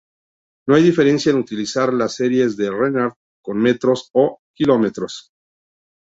No hay diferencia en utilizar las series de Renard con metros o kilómetros.